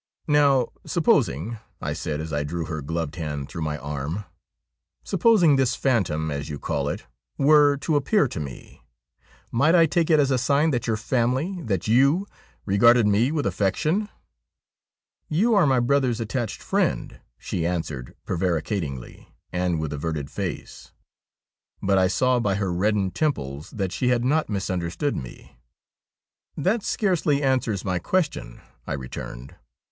' Now, supposing,' I said as I drew her gloved hand through my arm —' supposing this phantom, as you call it, were to appear to me, might I take it as a sign that your family — that you — regarded me with affection ?'' You are my brother's attached friend,' she answered pre varicatingly, and with averted face ; but I saw by her reddened temples that she had not misunderstood me. ' That scarcely answers my question,' I returned.